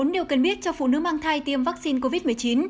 bốn điều cần biết cho phụ nữ mang thai tiêm vaccine covid một mươi chín